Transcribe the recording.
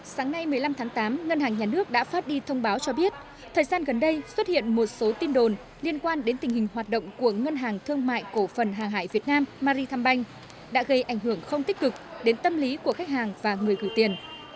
sáng nay một mươi năm tháng tám ngân hàng nhà nước đã phát đi thông báo cho biết thời gian gần đây xuất hiện một số tin đồn liên quan đến tình hình hoạt động của ngân hàng thương mại cổ phần hàng hải việt nam maricombank đã gây ảnh hưởng không tích cực đến tâm lý của khách hàng và người gửi tiền